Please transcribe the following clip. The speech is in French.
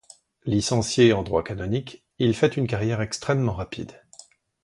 Licencié en droit canonique, il fait une carrière extrêmement rapide.